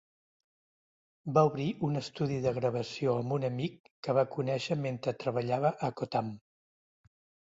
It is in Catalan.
Va obrir un estudi de gravació amb un amic que va conèixer mentre treballava a Kotam.